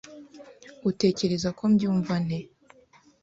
Utekereza ko mbyumva nte?